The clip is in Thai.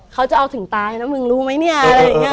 เขาจะเอาถึงตายนะแล้วรู้ไหมเนี่ย